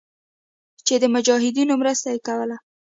چې د مجاهدينو مرسته ئې کوله.